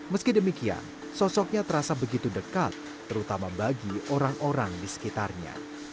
meski demikian sosoknya terasa begitu dekat terutama bagi orang orang di sekitarnya